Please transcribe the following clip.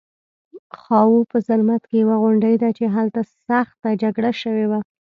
خاوو په زرمت کې یوه غونډۍ ده چې هلته سخته جګړه شوې وه